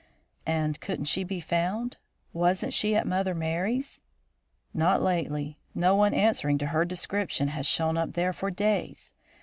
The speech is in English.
"And couldn't she be found? Wasn't she at Mother Merry's?" "Not lately. No one answering to her description has shown up there for days.